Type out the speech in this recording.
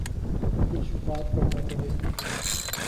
کچھ بات کرنا پڑے گی۔